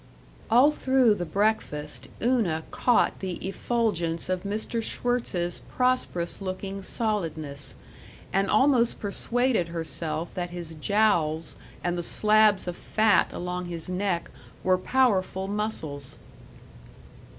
All through the breakfast Una caught the effulgence of Mr. Schwirtz's prosperous looking solidness, and almost persuaded herself that his jowls and the slabs of fat along his neck were powerful muscles.